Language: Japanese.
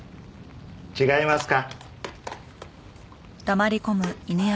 違いますか？